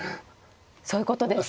そういうことですね。